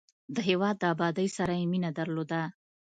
د هېواد د ابادۍ سره یې مینه درلودل.